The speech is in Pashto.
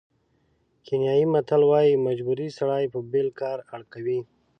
کینیايي متل وایي مجبوري سړی په بېل کار اړ کوي.